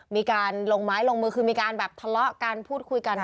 มีการลงไม้ลงมือคือมีการแบบทะเลาะกันพูดคุยกัน